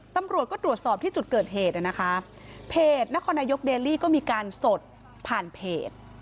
ตำรวจก็ตรวจสอบที่จุดเกิดเหตุนะคะเพจนครนายกเดลลี่ก็มีการสดผ่านเพจ